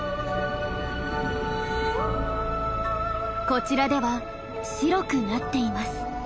こちらでは白くなっています。